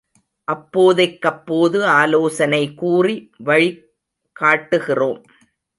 அப்போதைக்கப்போது ஆலோசனை கூறி வழிக் காட்டுகிறோம்.